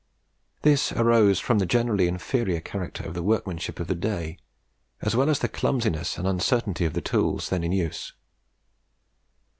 This arose from the generally inferior character of the workmanship of that day, as well as the clumsiness and uncertainty of the tools then in use.